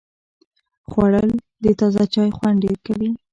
خوړل د تازه چای خوند ډېر کوي